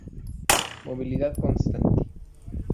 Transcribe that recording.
Movilidad constante.